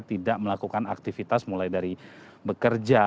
tidak melakukan aktivitas mulai dari bekerja